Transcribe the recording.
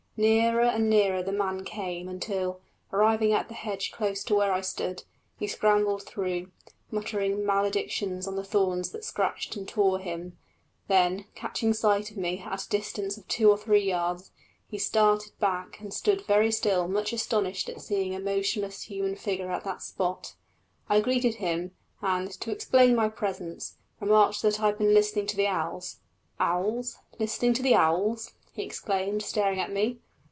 Nearer and nearer the man came, until, arriving at the hedge close to which I stood, he scrambled through, muttering maledictions on the thorns that scratched and tore him; then, catching sight of me at a distance of two or three yards, he started back and stood still very much astonished at seeing a motionless human figure at that spot. I greeted him, and, to explain my presence, remarked that I had been listening to the owls. "Owls! listening to the owls!" he exclaimed, staring at me.